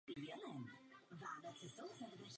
Později byl objeven na území Slovenska.